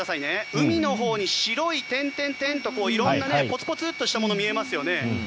海のほうに白い点々とポツポツしたものが見えますよね。